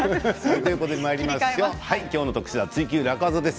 今日の特集「ツイＱ楽ワザ」です。